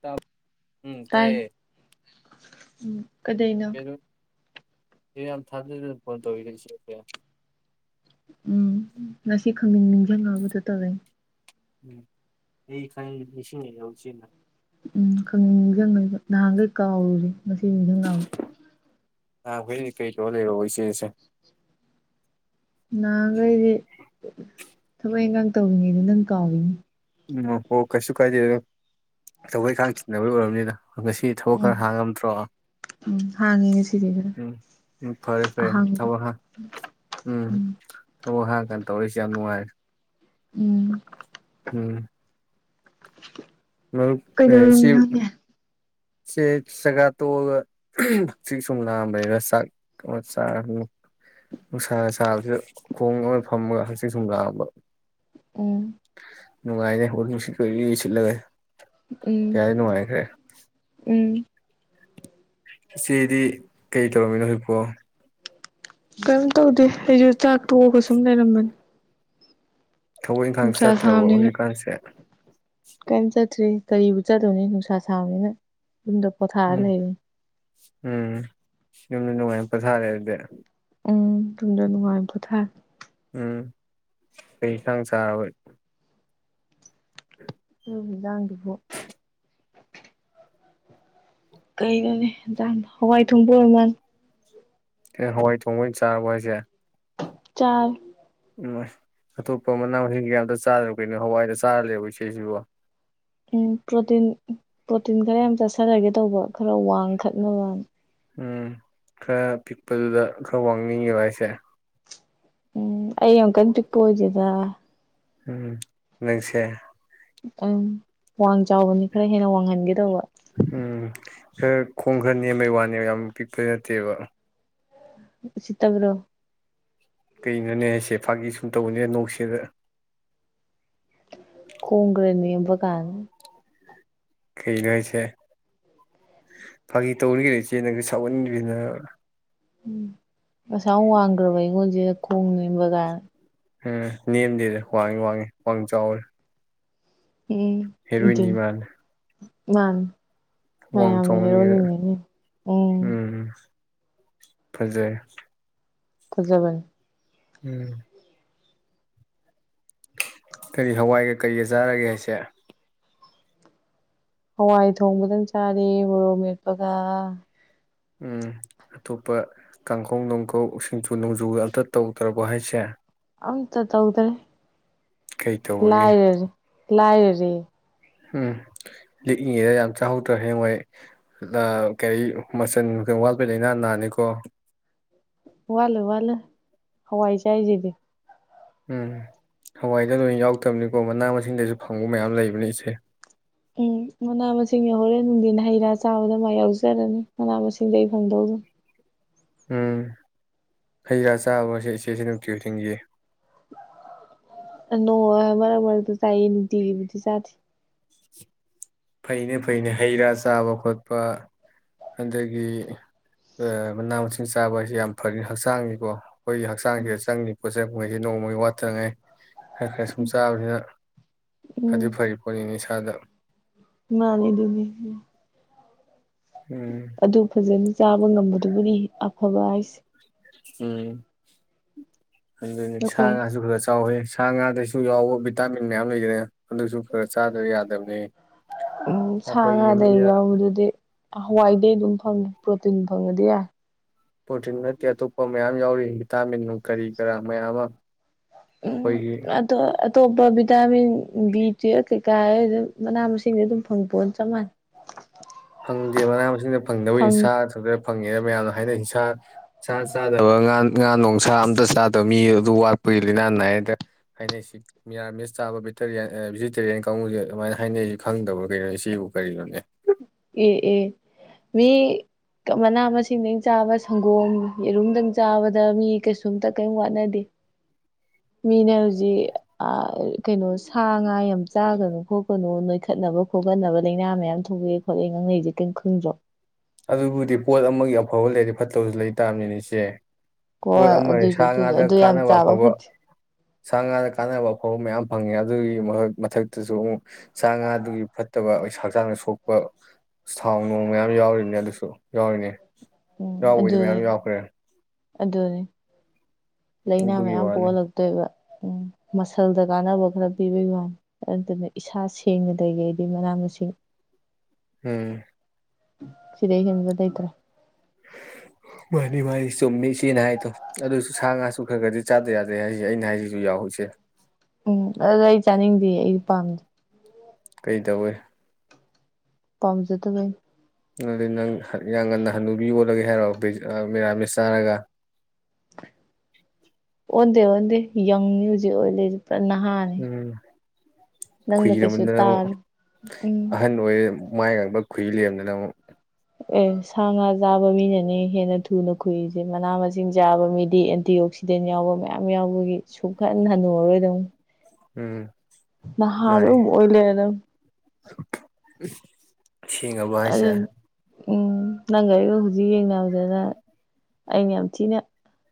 ꯇꯥꯎ ꯎꯝ ꯇꯥꯏꯌꯦ ꯎꯝ ꯀꯗꯩꯅꯣ ꯀꯩꯅꯣ ꯌꯥꯝ ꯊꯥꯖꯗꯅ ꯐꯣꯟ ꯇꯧꯔꯁꯤ ꯑꯦ ꯎꯝ ꯉꯁꯤ ꯈꯪꯅꯤꯡ ꯅꯤꯡꯁꯤꯡꯉꯕꯗꯨ ꯇꯧꯋꯦ ꯎꯝ ꯑꯩ ꯈ ꯪꯅꯤꯡꯁꯤꯡꯉꯩꯔ ꯏꯆꯦꯅ ꯎꯝ ꯈꯪ ꯅꯤꯡꯁꯤꯡꯉꯩꯕ ꯅꯍꯥꯟꯈꯩ ꯀꯥꯎꯔꯨꯁꯦ ꯉꯁꯤ ꯅꯤꯡꯁꯤꯡꯉꯛꯑꯕ ꯅꯍꯥꯟꯈꯩ ꯀꯩ ꯇꯧꯔꯒ ꯂꯩꯔꯣꯕ ꯏꯆꯦꯁꯦ ꯅꯍꯥꯟꯈꯩꯗꯤ ꯊꯕꯛ ꯏꯟꯈꯥꯡ ꯇꯧꯔꯤꯉꯩꯗ ꯅꯪ ꯀꯥꯎꯏꯅꯤ ꯎꯝ ꯍꯣꯏ ꯀꯩꯁꯨ ꯀꯥꯏꯗꯦ ꯑꯗꯣ ꯊꯕꯛ ꯏꯈꯥꯡ ꯆꯤꯟꯅꯕꯩ ꯑꯣꯏꯔꯝꯅꯤꯗ ꯉꯁꯤ ꯊꯕꯛ ꯈꯔ ꯎꯝ ꯍꯥꯡꯉꯝꯗ꯭ꯔꯣ ꯎꯝ ꯍꯥꯡꯉꯦ ꯉꯁꯤꯗꯤ ꯈꯔ ꯎꯝ ꯎꯝ ꯐꯔꯦ ꯐꯔꯦ ꯑꯍꯥꯡꯕ ꯊꯕꯛ ꯍꯥꯡ ꯎꯝ ꯊꯕꯛ ꯍꯥꯡꯀꯥꯟ ꯇꯧꯔꯛꯢꯁꯦ ꯌꯥꯝ ꯅꯨꯡꯉꯥꯏꯔꯦ [unintelligible] ꯎꯝ ꯎꯝ [unintelligible] ꯃꯔꯨꯞ ꯑꯦ ꯁꯤ ꯀꯩꯗꯧꯔꯝꯃꯤꯅꯣꯅꯦ ꯆꯦ ꯆꯒꯥ ꯇꯣꯛꯑꯒ ꯍꯆꯤꯛ ꯁꯨꯝ ꯂꯥꯡꯑꯝꯕꯅꯤꯗ ꯆꯥꯛ ꯑꯃ ꯆꯥꯔ ꯅꯨꯡꯁꯥ ꯁꯥꯕꯁꯤꯗ ꯈꯣꯡ ꯑꯃ ꯐꯝꯃꯒ ꯍꯆꯤꯛ ꯁꯨꯝ ꯂꯥꯡꯑꯝꯕ ꯎꯝ ꯅꯨꯡꯉꯥꯏꯔꯦ ꯍꯣꯔ ꯅꯨꯡꯁꯤꯠ ꯀꯣꯏ ꯁꯤꯠꯂꯒ ꯎꯝ ꯀꯌꯥ ꯅꯨꯡꯉꯥꯏꯈ꯭ꯔꯦ ꯎꯝ ꯁꯤꯗꯤ ꯀꯩ ꯇꯧꯔꯝꯃꯤꯅꯣ ꯍꯧꯖꯤꯛꯄꯣ ꯀꯔꯤꯝ ꯇꯧꯗꯦ ꯑꯩꯁꯨ ꯆꯥꯛ ꯇꯣꯛꯑꯒ ꯁꯨꯝ ꯂꯩꯔꯝꯕꯅꯤ ꯊꯕꯛ ꯏꯟꯈꯥꯡ ꯅꯨꯡꯁꯥ ꯆꯠꯇ꯭ꯔꯕ ꯍꯧꯖꯤꯛꯀꯥꯟꯁꯦ ꯀꯝ ꯆꯇ꯭ꯔꯤ ꯀꯔꯤꯕꯨ ꯆꯗꯧꯅꯤ ꯅꯨꯡꯁꯥ ꯁꯥꯥꯡꯕꯅꯤꯅ ꯌꯨꯝꯗ ꯄꯣꯊꯥꯔ ꯎꯝ ꯂꯩꯌꯦꯦ ꯎꯝ ꯌꯨꯝꯗ ꯅꯨꯡꯉꯥꯏꯅ ꯄꯊꯥꯔꯦ ꯑꯗꯨꯗꯤ ꯎꯝ ꯇꯝꯗꯅꯅꯨꯡꯉꯥꯏ ꯀꯣ ꯊꯥ ꯎꯝ ꯀꯩ ꯊꯥꯡ ꯆꯥꯔꯕꯣꯏ ꯎ ꯟꯖꯥꯡꯗꯨꯕꯨꯣ ꯀꯩꯩꯅꯣꯅꯤꯟꯖꯥꯡ ꯍꯋꯥꯏ ꯊꯣꯡꯕ ꯑꯣꯏꯃꯜ ꯑꯦ ꯍꯋꯥꯏ ꯊꯣꯡꯕꯣꯏ ꯆꯥꯔꯕ ꯍꯥꯏꯁꯦ ꯆꯔ ꯎꯣꯏ ꯑꯇꯣꯞꯄ ꯑꯃꯅꯪ ꯍꯤꯡ ꯀꯩꯝꯇ ꯆꯥꯗꯅꯕ ꯀꯩꯅꯣ ꯍꯋꯥꯏꯗ ꯆꯥꯔꯂꯦꯕ ꯏꯁꯩꯁꯤꯕꯣ ꯎꯝ ꯄ꯭ꯔꯣꯇꯤꯟ ꯄ꯭ꯔꯣꯇꯤꯟ ꯈꯔ ꯌꯥꯝ ꯆꯠꯊꯔꯒꯦ ꯇꯧꯕ ꯈꯔ ꯋꯥꯡꯈꯠꯅꯕ ꯎꯝ ꯈꯔ ꯄꯤꯛꯄꯗꯨꯗ ꯈꯔ ꯋꯥꯡꯅꯤꯡꯉꯦꯕ ꯍꯥꯏꯁꯦ ꯎꯝ ꯑꯣꯟ ꯀꯟꯇꯤ ꯄꯗꯤꯦꯗꯥ ꯎꯝꯁꯦ ꯑ ꯋꯥꯡ ꯆꯥꯎꯕꯅꯤ ꯈꯔ ꯍꯦꯟꯅ ꯋꯥꯡꯍꯟꯒꯦ ꯇꯧꯕ ꯎꯝ ꯈꯔ ꯈꯣꯡ ꯈꯔꯅꯦꯦꯝ ꯃꯩ ꯋꯥꯅꯦꯕ ꯌꯥꯝ ꯄꯤꯛꯄ ꯅꯠꯇꯦꯕ ꯁꯤꯠꯇꯕ꯭ꯔꯣ ꯀꯩꯅꯅꯦꯁꯦ ꯐꯥꯒꯤ ꯁꯨꯝ ꯇꯧꯕꯅꯦ ꯅꯣꯛꯁꯤꯗ ꯀꯨꯒꯔꯦꯅꯤ ꯀꯥꯡ ꯀꯩꯅꯣ ꯍꯥꯏꯁꯦ ꯐꯥꯒꯤ ꯇꯧꯔꯤꯒꯦꯗ ꯏꯆꯦꯅꯒ ꯁꯥꯎꯍꯟꯕꯤꯅ꯭ꯔ ꯎꯝ ꯉꯁꯥ ꯋꯥꯡꯈ꯭ꯔꯕ ꯑꯩꯉꯣꯟꯁꯦ ꯈꯣꯡꯅꯤꯕ ꯀꯥ ꯎꯝ ꯅꯦꯝꯗꯦꯗ ꯋꯥꯡꯉꯤ ꯋꯥꯡꯉꯤ ꯋꯥꯡ ꯆꯥꯎꯔꯦ ꯎꯝ ꯏꯗ ꯍꯦꯔꯣꯏꯟꯅꯤ ꯃꯥꯜꯂꯦ ꯃꯥ ꯋꯥꯡ ꯃꯌꯥꯝꯅ ꯆꯥꯎꯃꯟꯒꯤꯗ ꯍꯔꯣꯅꯤꯡꯅꯦꯅꯦ ꯎ ꯎꯝ ꯐꯖꯩ ꯐꯖꯕꯅꯤ ꯎꯝ ꯀꯔꯤ ꯍꯋꯥꯏꯒ ꯀꯔꯤꯒ ꯆꯥꯔꯒꯦ ꯍꯥꯏꯁꯦ ꯍꯋꯥꯏ ꯊꯣꯡꯕꯗꯪ ꯆꯥꯔꯤ ꯃꯣꯔꯣꯛ ꯃꯦꯠꯄꯒ ꯎꯝ ꯑꯇꯣꯞꯄ ꯀꯥꯡꯈꯧ ꯅꯨꯡꯈꯧ ꯁꯤꯡꯖꯨ ꯅꯣꯡꯖꯨ ꯑꯜꯇ ꯇꯧꯗ꯭ꯔꯕ ꯍꯥꯏꯁꯦ ꯑ ꯇ ꯇꯧꯗ꯭ꯔꯦ ꯀꯩ ꯇꯧꯕꯒꯦ ꯂꯥꯏꯔꯥꯔꯦ ꯎꯝ ꯂꯤꯛꯏꯉꯩꯗ ꯌꯥꯝ ꯆꯥꯍꯧꯗ꯭ꯔ ꯍꯦꯉꯣꯏ ꯀꯔꯤ ꯃꯆꯜ ꯋꯥꯠꯄꯩ ꯂꯥꯏꯅꯥ ꯅꯥꯅꯤꯀꯣ ꯋꯥꯠꯂꯣꯏ ꯋꯥꯠꯂꯣꯌ ꯍꯋꯥꯏ ꯆꯥꯏꯁꯤꯗꯤ ꯎꯝ ꯍꯋꯥꯏꯗ ꯂꯣꯏ ꯌꯥꯎꯔꯛꯇꯕꯅꯤꯀꯣ ꯃꯅꯥ ꯃꯁꯤꯡꯗꯁꯨ ꯐꯪꯕ ꯃꯌꯥꯝ ꯂꯩꯕꯅꯤ ꯏꯆꯦ ꯎꯝ ꯃꯅꯥ ꯃꯁꯤꯡ ꯌꯥꯍꯣꯔꯦꯟ ꯅꯨꯡꯊꯤꯟ ꯍꯩ ꯔꯥ ꯆꯥꯕꯗ ꯃꯥꯥꯏ ꯌꯥꯎꯖꯔꯅꯤ ꯃꯅꯥ ꯃꯁꯤꯡꯗꯒꯤ ꯑꯩ ꯐꯪꯗꯧꯗꯅꯤ ꯎꯝ ꯍꯩ ꯔꯥ ꯆꯥꯕꯁꯦ ꯏꯆꯦꯁꯤ ꯅꯨꯡꯇꯤ ꯈꯨꯗꯤꯡꯒꯤ ꯅꯣꯡ ꯃꯥꯔꯛ ꯃꯥꯔꯛ ꯆꯥꯏꯌꯦ ꯅꯨꯛꯇꯤꯒꯤꯗꯤ ꯆꯥꯗꯦ ꯐꯩꯅ ꯐꯩꯅ ꯍꯩ ꯔꯥ ꯆꯥꯕ ꯈꯣꯠꯄ ꯑꯗꯒꯤ ꯃꯅꯥ ꯃꯁꯤꯡ ꯆꯥꯕ ꯍꯥꯏꯁꯦ ꯌꯥꯝ ꯐꯅꯤ ꯍꯛꯆꯥꯡꯅꯤꯀꯣ ꯑꯩꯈꯣꯏꯒꯤ ꯍꯛꯆꯥꯡꯁꯤꯗ ꯆꯪꯗꯦ ꯄꯣꯠ ꯁꯩ [inaudible] ꯅꯣꯡꯃꯒꯤ ꯋꯥꯠꯇꯅꯉꯩ ꯈꯔ ꯈꯔ ꯁꯨꯝ ꯆꯥꯕꯅꯤꯅ ꯐꯗꯤ ꯐꯩ ꯄꯣꯠꯅꯤ ꯑꯥꯗꯥ ꯃꯥꯅꯤ ꯑꯗꯨꯅꯤ ꯎꯝ ꯑꯗꯨ ꯐꯖꯅ ꯆꯥꯕ ꯉꯝꯕꯗꯨꯕꯨꯗꯤ ꯑꯐꯕ ꯍꯥꯏꯁꯦ ꯎꯝ ꯑꯗꯨꯅꯤ ꯁꯥ ꯑꯩꯈꯣꯏ ꯉꯁꯨ ꯈꯔ ꯆꯥꯎꯋꯦ ꯁꯥ ꯉꯥꯗꯁꯨ ꯌꯥꯎꯕ ꯚꯤꯇꯥꯃꯤꯟ ꯃꯌꯥꯝ ꯂꯩꯈ꯭ꯔꯦ ꯑꯗꯨꯁꯨ ꯈꯔ ꯆꯥꯗꯕ ꯌꯥꯗꯕꯅꯤ ꯑꯩꯈꯣꯏ ꯌꯦꯡꯃꯤꯅ ꯍꯋꯥꯏꯗꯤ ꯑꯗꯨꯝ ꯐꯪꯉꯦ ꯄ꯭ꯔꯣꯇꯤꯟ ꯐꯪꯉꯗꯤ ꯌꯥꯏ ꯄ꯭ꯔꯣꯇꯤꯟ ꯅꯠꯇꯦ ꯑꯇꯣꯞꯄ ꯃꯌꯥꯝ ꯌꯥꯎꯔꯤ ꯚꯤꯇꯥꯃꯤꯟ ꯀꯔꯤ ꯎꯝ ꯑꯩꯈꯣꯏꯒꯤ ꯑꯗ ꯑꯇꯣꯞꯄ ꯚꯤꯇꯥꯃꯤꯟ ꯕꯤ ꯇꯨ ꯀꯩꯀꯥ ꯑꯗꯨ ꯃꯅꯥ ꯃꯁꯤꯡꯁ ꯑꯗꯨꯝ ꯐꯪꯄꯣ ꯆꯞ ꯃꯥꯟꯅꯩ ꯐꯪꯗꯦ ꯃꯅꯥ ꯃꯁꯤꯡꯗ ꯐꯪꯗꯕ ꯐꯪ ꯅꯤꯁꯥ ꯊꯖ ꯐꯪꯉꯦꯅ ꯃꯌꯥꯝꯅ ꯍꯥꯏꯅꯩ ꯁꯥ ꯆꯥꯗꯕ ꯉꯥ ꯉꯥ ꯅꯨꯡꯁꯥ ꯑꯝꯇ ꯆꯥꯗꯕ ꯃꯤ ꯑꯗꯨ ꯋꯥꯠꯄꯒꯤ ꯂꯤꯅꯥ ꯅꯥꯏꯗ ꯍꯥꯏꯅꯩ ꯁꯤ ꯃꯤꯔꯥꯃꯤꯁ ꯆꯥꯕ ꯚꯇꯌꯥꯟ ꯚꯦꯖꯤꯇꯦꯔꯤꯌꯥꯟ ꯀꯥꯡꯕꯨꯁꯦ ꯑꯗꯨꯃꯥꯏꯅ ꯍꯥꯏꯅꯩꯁꯤ ꯈꯪꯗꯕ ꯀꯩꯅꯣꯅꯦ ꯁꯤꯕꯨ ꯀꯔꯤꯅꯣꯅꯦ ꯑꯦ ꯑꯦ ꯃꯤ ꯃꯅꯥ ꯃꯁꯤꯡꯗꯒꯤ ꯆꯥꯕ ꯁꯪꯒꯣꯝ ꯌꯦꯔꯨꯝꯗꯪ ꯆꯥꯕꯗ ꯃꯤ ꯀꯩꯁꯨꯝꯇ ꯀꯔꯤꯝ ꯋꯥꯠꯅꯗꯦ ꯃꯤꯅ ꯍꯧꯖꯤꯛ ꯀꯩꯅꯣ ꯁꯥ ꯉꯥ ꯌꯥꯝ ꯆꯥꯒꯅꯨ ꯈꯣꯠꯀꯅꯨ ꯅꯣꯏꯈꯠꯅꯕ ꯈꯣꯠꯀꯠꯅꯕ ꯂꯩꯥꯏꯅꯥ ꯃꯌꯥꯝ ꯊꯣꯛꯤ ꯉꯥꯡꯅꯩꯔꯤꯁꯦ ꯀꯔꯤꯝ ꯈꯪꯗ꯭ꯔꯣ ꯑꯗꯨꯕꯨꯗꯤ ꯄꯣꯠ ꯑꯃꯒꯤ ꯑꯐꯕ ꯂꯩꯔꯗꯤ ꯐꯠꯇꯕꯁꯨ ꯂꯩ ꯇꯥꯕꯅꯤꯅꯦ ꯏꯆꯦ ꯄꯣꯠ ꯍꯣꯏ ꯑꯃ ꯑꯗꯨꯏꯁꯨ ꯁꯥ ꯑꯗꯨ ꯉꯥꯗ ꯑꯗꯨ ꯌꯥꯝ ꯀꯥꯟꯅꯕ ꯆꯥꯕ ꯑꯐꯕ ꯐꯠꯇꯦ ꯁꯥ ꯉꯥꯗ ꯀꯥꯟꯅꯕ ꯑꯐꯕ ꯃꯌꯥꯝ ꯐꯪꯉꯦ ꯑꯗꯨꯒꯤ ꯃꯊꯛꯇꯁꯨ ꯑꯃꯨꯛ ꯆꯥ ꯉꯥꯗꯨꯒꯤ ꯐꯠꯇꯕ ꯑꯩꯈ ꯍꯛꯆꯥꯡꯗ ꯁꯣꯛꯄ ꯊꯥꯎ ꯅꯨꯡ ꯃꯌꯥꯝ ꯌꯥꯎꯔꯤꯅꯤ ꯑꯗꯨꯁꯨ ꯌꯥꯎꯔꯤꯅꯦ ꯎꯝ ꯌꯥꯎꯕꯏꯗꯤ ꯑꯗꯨꯅꯤ ꯃꯌꯥꯝ ꯌꯥꯎꯈ꯭ꯔꯦ ꯑꯗꯨꯅꯤ ꯂꯥꯏꯅꯥ ꯑꯗꯨꯒꯤ ꯃꯌꯥꯝ ꯋꯥꯅꯤ ꯄꯣꯛꯍꯜꯂꯛꯇꯣꯏꯕ ꯎꯝ ꯃꯁꯜꯗ ꯀꯥꯟꯅꯕ ꯈꯔ ꯄꯤꯕꯩ ꯋꯥꯅꯤ ꯑꯗꯨꯅ ꯏꯁꯥ ꯁꯦꯡꯅ ꯂꯩꯈꯩꯗꯤ ꯃꯅꯥ ꯃꯁꯤꯡ ꯎꯝ ꯁꯤꯗꯩꯩ ꯍꯦꯟꯕꯥ ꯗꯩꯇꯔꯦ ꯃꯥꯅꯤ ꯃꯥꯅꯤ ꯆꯨꯝꯃꯤ ꯏꯆꯦꯅ ꯍꯥꯏꯗꯣ ꯑꯗꯨꯁꯨ ꯁꯥ ꯉꯥꯁꯨ ꯈꯔ ꯈꯔꯗꯤ ꯆꯥꯗ ꯌꯥꯗ꯭ꯔꯦ ꯍꯥꯏꯁꯦ ꯑꯩꯅ ꯍꯥꯏꯁꯤꯁꯨ ꯌꯥꯎꯍ ꯏꯆꯦ ꯎꯝ ꯑꯗꯨꯗ ꯑꯩ ꯆꯥꯅꯤꯡꯗꯦ ꯑꯩꯗꯤ ꯄꯥꯝꯗꯦ ꯀꯩ ꯇꯧꯋꯦ ꯄꯝꯁꯦꯗ ꯀ ꯑꯗꯨ ꯅꯪ ꯌꯥꯝ ꯉꯟꯅ ꯍꯟꯅꯨꯕꯤ ꯑꯣꯜꯂꯒꯦ ꯍꯥꯏꯔꯛꯑꯣ ꯃꯦꯔꯥꯃꯦꯁ ꯆꯥꯔꯒ ꯌ ꯑꯣ ꯎꯝ ꯅꯪꯅ ꯀꯩꯁꯨ ꯈꯨꯏꯔꯃꯗꯅꯨꯛ ꯇꯥꯔ ꯎꯝ ꯑꯍꯟ ꯑꯣꯏ ꯃꯥꯏ ꯉꯥꯡꯕ ꯈꯨꯍꯤ ꯂꯦꯝꯗꯅ ꯑꯃꯨꯛ ꯑꯦ ꯁꯥ ꯉꯥ ꯆꯥꯕ ꯃꯤꯅꯅꯦ ꯍꯦꯟꯅ ꯊꯨꯅ ꯈꯨꯏꯁꯦ ꯃꯅꯥ ꯃꯁꯤꯡ ꯆꯥꯕ ꯃꯤꯗꯤ ꯑꯦꯟꯇꯤ ꯑꯣꯛꯁꯤꯗꯦꯟ ꯌꯥꯎꯕ ꯃꯌꯥꯝ ꯌꯥꯎꯕꯒꯤ ꯁꯨꯡꯈꯟ ꯍꯜꯟꯅꯨꯨꯔꯔꯣꯏꯗ ꯎꯝ ꯅꯍꯥ ꯃꯥꯅꯤ ꯑꯗꯨꯝ ꯑꯣꯏꯂ ꯑꯗꯨꯝ ꯑ ꯦꯡꯉꯕ ꯍꯥꯏꯁꯦ ꯎꯝ ꯅꯪꯒꯒꯥꯔꯤꯒ ꯍꯧꯖꯤꯛ ꯌꯦꯡꯅꯕꯗꯅ ꯑꯩꯅ ꯌꯥꯝ ꯊꯤꯅ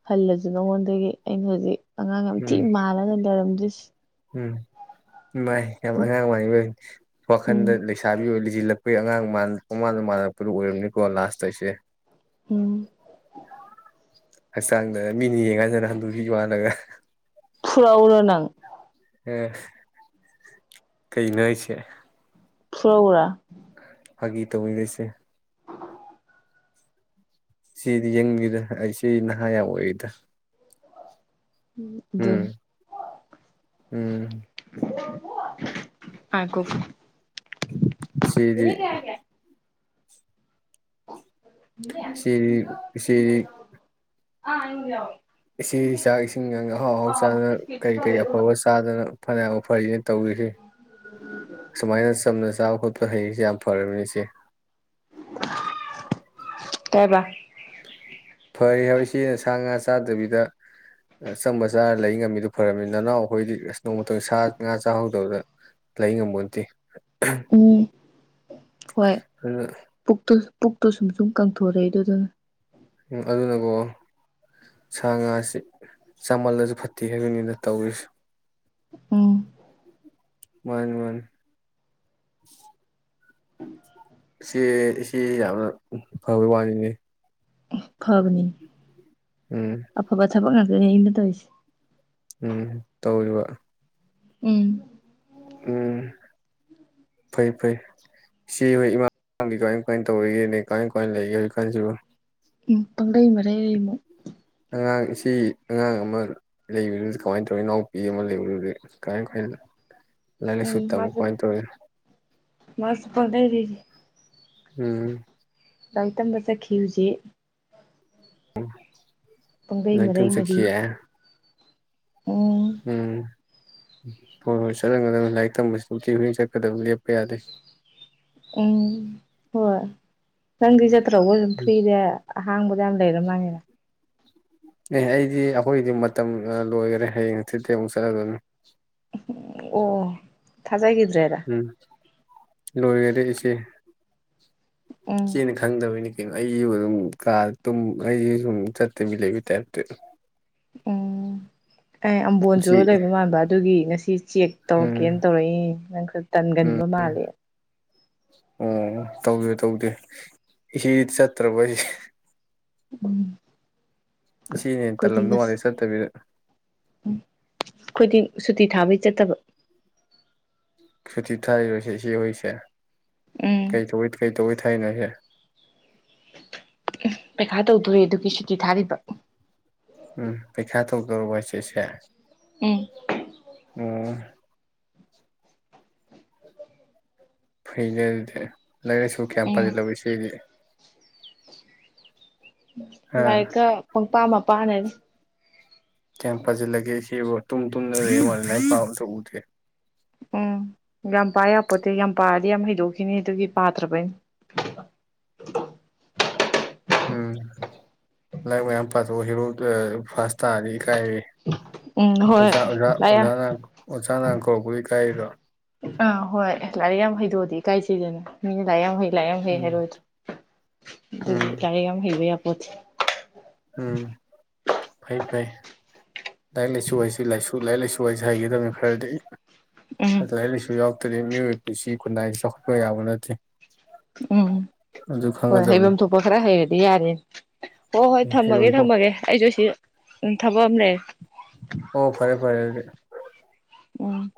ꯍꯜꯂꯁꯨ ꯅꯉꯣꯟꯗꯒꯤ ꯑꯩꯅ ꯍꯧꯖꯤꯛ ꯑꯉꯥꯡ ꯊꯤ ꯎꯝ ꯃꯥꯂꯅꯔ ꯁ ꯎꯝ ꯥꯏ ꯌꯥꯝ ꯑꯉꯥꯡ ꯑꯣꯏ ꯎꯝ ꯋꯥꯈꯟꯗ ꯂꯩꯁꯥꯕꯤ ꯑꯣꯏ ꯖꯤꯜꯂꯛꯄꯒꯤ ꯑꯉꯥꯡ ꯃꯃꯥꯟꯗ ꯃꯜꯂꯛꯄꯗꯨ ꯑꯣꯏꯔꯝꯅꯤꯀꯣ ꯂꯥꯁꯇ ꯑꯩꯁꯦ ꯎꯝ ꯍꯛꯆꯥꯡꯗ ꯃꯤꯅ ꯌꯦꯡꯉꯥꯟꯗꯅ ꯍꯟꯗꯣꯛꯈꯤ ꯋꯥꯜꯂꯒ ꯐꯨꯔꯧꯔꯅꯪ ꯑ ꯀꯩꯅꯁꯦ ꯐꯨꯔ ꯎꯨꯔꯥ ꯍꯥꯏ ꯏ ꯇꯕꯨꯣꯏꯗꯣꯏꯁꯤꯦ ꯁꯤꯗꯤ ꯌꯦꯡꯉꯗ ꯑꯩ ꯁꯤ ꯅꯍꯥ ꯌꯥꯝ ꯑꯣꯏꯔꯤꯗ ꯎ ꯑꯗꯨꯝ ꯎꯝ ꯎꯝ ꯍꯥꯏꯒꯣꯛ ꯁꯤꯗꯤ ꯁꯤꯔꯤ ꯁꯤꯔꯤ ꯑ ꯏꯣ ꯏꯆꯦ ꯆꯥꯛ ꯏꯁꯤꯡ ꯌꯥꯝꯪ ꯑꯍꯥꯎ ꯑꯍꯥꯎ ꯆꯥꯗꯅ ꯀꯔꯤ ꯀꯔꯤ ꯑꯐꯕ ꯆꯥꯗꯅ ꯐꯅꯕ ꯐꯩꯌꯦ ꯇꯧꯔꯤꯈꯤ ꯑꯁꯨꯃꯥꯏꯅ ꯆꯝꯅ ꯆꯥꯕ ꯈꯣꯠꯄ ꯍꯩꯁꯦ ꯌꯥꯝ ꯐꯔꯕꯅꯤꯁꯦ ꯍꯥꯏꯥꯏꯕ ꯐꯔꯤ ꯍꯥꯏꯣꯏ ꯁꯤꯅ ꯁꯥ ꯉꯥ ꯆꯥꯗꯕꯤꯗ ꯑꯆꯪꯝꯕ ꯆꯥꯔ ꯂꯩ ꯉꯝꯃꯤꯗꯨꯣ ꯐꯔꯝꯃꯤ ꯅꯅꯥꯎ ꯑꯩꯈꯣꯏꯗꯤ ꯑꯁ ꯅꯣꯡꯃꯇꯣꯡ ꯁꯥ ꯉꯥ ꯆꯥꯍꯧꯗꯕꯗ ꯂꯩ ꯉꯝꯕ ꯅꯠꯇꯦ ꯎꯝ ꯍꯣꯏ ꯑꯗꯨꯅ ꯄꯨ ꯇ ꯄꯨꯛꯇꯣ ꯁꯨꯝ ꯁꯨꯝ ꯀꯪꯊꯣꯔꯛꯏ ꯑꯗꯨꯗꯨꯅ ꯎ ꯑꯗꯨꯅꯀꯣ ꯁꯥ ꯉꯥꯁ ꯆꯥꯃꯜꯂꯁꯨ ꯐꯠꯇꯦ ꯍꯥꯏꯕꯅꯤꯅ ꯇꯧꯔꯤꯁꯦ ꯎꯝ ꯃꯥꯅꯤ ꯃꯥꯅꯤ ꯁꯤ ꯁꯤ ꯌꯥꯝꯅ ꯐꯕꯩ ꯋꯥꯅꯤꯅꯦ ꯈꯥꯕꯅꯤ ꯎꯝ ꯑꯐꯕꯥ ꯊꯥꯕꯛ ꯉꯥꯀ ꯗꯨꯅꯦ ꯑꯩꯅꯥ ꯇꯧꯏꯁꯦ ꯎꯝ ꯇꯧꯔꯤꯕ ꯎꯝ ꯎꯝ ꯐꯩ ꯐꯩ ꯁꯤ ꯍꯣꯏ ꯏꯃꯥꯒꯤ ꯀꯃꯥꯏ ꯀꯃꯥꯏꯅ ꯇꯧꯔꯤꯒꯦꯅꯦ ꯀꯃꯥꯏ ꯀꯃꯥꯏꯅ ꯂꯩꯒꯦ ꯍꯧꯖꯤ ꯀꯥꯟꯁꯤꯕ ꯎꯝ ꯄꯡꯂꯩ ꯃꯔꯩ ꯔꯤꯃꯣꯏ ꯑꯉꯥꯡ ꯏꯆꯦ ꯑꯉꯥꯡ ꯑꯃ ꯂꯩꯕꯗꯨꯗ ꯀꯃꯥꯏꯅ ꯇꯧꯔꯤ ꯏꯅꯥꯎꯄꯤ ꯑꯃ ꯂꯩꯕꯗꯨꯗꯤ ꯀꯃꯥꯏ ꯀꯃꯥꯏꯅ ꯂꯥꯏꯔꯤꯛ ꯎꯝ ꯂꯥꯏꯁꯨ ꯇꯝꯕ ꯃꯁꯦ ꯀꯃꯥꯏꯅ ꯇꯧꯔꯤ ꯃꯁꯦ ꯄꯡꯂꯩ ꯂꯩꯔꯤ ꯎꯝ ꯂꯥꯏꯔꯤꯛ ꯇꯝꯕ ꯆꯠꯈꯤ ꯍꯧꯖꯤꯛ ꯎꯝ ꯄꯡꯂꯩ ꯃꯔꯩ ꯃꯔꯤ ꯎꯝ ꯍꯣꯏ ꯍꯣꯏ ꯁꯔꯣꯏ ꯉꯔꯣꯏ ꯂꯥꯏꯔꯤꯛ ꯇꯝꯕꯁꯤꯕꯨꯗꯤ ꯅꯨꯡꯇꯤ ꯈꯨꯗꯤꯡ ꯆꯠꯀꯗꯕ ꯂꯦꯞꯄ ꯌꯥꯗꯦ ꯎꯝ ꯍꯣꯏ ꯅꯥꯡꯗꯤ ꯆꯠꯇꯔ꯭ꯕꯣ ꯑꯗꯨꯝ ꯎꯝ ꯐ꯭ꯔꯤꯅꯦ ꯑꯍꯥꯡꯕꯗ ꯌꯥꯝ ꯂꯩꯔꯝ ꯃꯥꯥꯡꯉꯦꯅ ꯑꯦ ꯑꯩꯗꯤ ꯑꯩꯈꯣꯏꯒꯤꯗꯤ ꯃꯇꯝ ꯂꯣꯏꯈꯔꯦ ꯍꯌꯦꯡ ꯍꯪꯁꯤꯠꯇꯩ ꯑꯃꯨꯛ ꯆꯠꯂꯗꯣꯏꯅꯤ ꯑꯣ ꯊꯥꯖꯥꯒꯤꯗꯔ꯭ꯦ ꯎꯝ ꯂꯣꯏꯔꯗꯤ ꯏꯆꯦ ꯎꯝ ꯆꯦꯅ ꯈꯪꯗꯕꯩꯅꯦ ꯑꯩꯒꯤꯕꯨ ꯑꯗꯨꯝ ꯀꯥꯗ ꯇꯨꯃ ꯑꯩꯒꯤ ꯁꯨꯝ ꯆꯠꯇꯕꯤ ꯂꯩꯕꯩ ꯇꯥꯏꯞꯇꯥ ꯎꯝ ꯑꯦ ꯏꯆꯦ ꯑꯝꯕꯣꯟꯆꯨꯔꯥ ꯂꯩꯕ ꯃꯥꯟꯕ ꯑꯗꯨꯒꯤ ꯉꯁꯤ ꯆꯦꯛ ꯇꯧꯔꯛꯀꯦꯅ ꯎꯝ ꯇꯧꯔꯛꯏ ꯅꯪ ꯈꯔ ꯎꯝ ꯇꯟꯒꯟꯕ ꯃꯥꯜꯂꯦ ꯑꯣ ꯇꯧꯗꯦ ꯇꯧꯗꯦ ꯏꯆꯦ ꯆꯠꯇ꯭ꯔꯕ ꯑꯩꯁꯦ ꯎꯝ ꯏꯆꯦꯅꯦꯅꯥ ꯇꯜꯂꯝꯗꯧ ꯃꯥꯂꯤ ꯆꯠꯇꯕꯤꯗ ꯎꯝ ꯑꯩꯈꯣꯏꯗꯤ ꯁꯨꯇꯤ ꯊꯥꯕꯩ ꯆꯠꯇꯕ ꯁꯨꯇꯤ ꯊꯥꯏꯔꯤꯔꯣꯁꯦ ꯏꯆꯦ ꯍꯣꯏꯁꯦ ꯎꯝ ꯀꯩꯊꯣꯡꯕꯩ ꯐꯦꯠ ꯇꯧꯕꯩ ꯊꯥꯏꯅꯣ ꯍꯥꯏꯁꯦ ꯄꯩꯈꯥ ꯇꯧꯗꯣꯔꯦ ꯑꯗꯨꯒꯤ ꯁꯨꯇꯤ ꯊꯥꯔꯤꯕ ꯎꯝ ꯄꯩꯈꯌ꯭ꯥ ꯇꯥꯗꯣꯔꯕꯣ ꯍꯥꯏꯁꯦ ꯆꯦ ꯎꯝ ꯎꯝ ꯐꯩꯖ ꯑꯗꯨꯗ ꯂꯥꯏꯛꯥꯏꯁꯨ ꯀꯌꯥꯝ ꯎꯝ ꯐꯥꯖꯜ ꯂꯧꯏ ꯁꯤꯗꯤ ꯍꯥ ꯂꯥꯏꯀ ꯄꯨꯡꯄꯥꯥꯃ ꯄꯅꯅꯤ ꯕ ꯇꯨ ꯇꯅ ꯄ ꯇꯕꯨꯗꯦ ꯎꯝ ꯌꯥꯝ ꯄꯥꯌꯥꯄꯣꯠꯇꯦ ꯌꯥꯝ ꯄꯥꯔꯗꯤ ꯌꯥꯝ ꯍꯩꯗꯣꯛꯈꯤꯅꯤ ꯑꯗꯨꯒꯤ ꯄꯥꯗ꯭ꯔꯕꯅ ꯎꯝ ꯂꯥꯏꯔꯤꯛ ꯃꯌꯥꯝ ꯄꯥꯊꯣꯛꯑꯣ ꯍꯦꯔꯣ ꯐꯥꯁ ꯇꯥꯔꯗꯤ ꯏꯀꯥꯏꯔꯤ ꯎꯝ ꯍꯣꯏ ꯑꯣꯖꯥ ꯂꯥꯏꯔꯤꯛ ꯑꯣꯖꯥꯅ ꯀꯣ ꯀꯏ ꯀꯥꯏꯔ ꯑꯥ ꯍꯣꯏ ꯂꯥꯏꯔꯤꯛ ꯌꯥꯝ ꯍꯩꯗꯑꯗꯤ ꯏꯀꯥꯏꯁꯤꯦꯗꯅ ꯃꯤꯅꯥꯏꯛ ꯌꯥꯝ ꯍꯩ ꯂꯥꯏꯛ ꯌꯥꯝ ꯍꯩ ꯎꯝ ꯍꯥꯏꯔꯣꯏ ꯑꯗꯨꯣ ꯑꯗꯨꯗꯤ ꯎꯝ ꯂꯥꯏꯔꯤꯛ ꯌꯥꯝ ꯍꯩꯕ ꯌꯥ ꯃ ꯎꯝ ꯐꯩ ꯐꯩ ꯂꯥꯏꯔꯤꯛ ꯂꯥꯏꯁꯨ ꯍꯥꯏꯁꯤ ꯂꯥꯏꯁꯨ ꯂꯥꯏꯔꯤꯛ ꯂꯥꯏꯁꯨ ꯍꯥꯏꯁꯤ ꯍꯩꯒꯗꯕꯅꯤ ꯈꯔꯗꯤ ꯎꯝ ꯂꯥꯏꯔꯤꯛ ꯂꯥꯏꯁꯨ ꯌꯥꯎꯗ꯭ꯔ ꯃꯤꯑꯣꯏꯕ ꯄꯨꯟꯁꯤ ꯈꯨꯟꯅꯥꯏꯗ ꯆꯥꯎꯈꯠꯄ ꯌꯥꯕ ꯅꯠꯇꯦ ꯎꯝ ꯑꯗꯨ ꯍꯣꯏ ꯈꯪꯒꯗꯕꯅꯤ ꯍꯩꯐꯝ ꯊꯣꯛꯄ ꯈꯔ ꯍꯩꯔꯗꯤ ꯌꯥꯔꯦ ꯍꯣꯏ ꯍꯣꯏ ꯊꯝꯃꯒꯦ ꯍꯩꯐꯝ ꯊꯣꯛ ꯊꯝꯃꯒꯦ ꯑꯩꯁꯨ ꯁꯤ ꯎ ꯊꯥꯕꯑ ꯑꯃꯅꯦ ꯑꯣ ꯐꯔꯦ ꯐꯔꯦ ꯑꯗꯨꯗꯤ ꯎꯝ